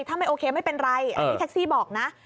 ถ้าไม่โอเคไม่เป็นไรอันนี้แท็กซี่บอกนะ